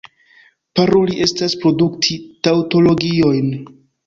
Paroli estas produkti taŭtologiojn.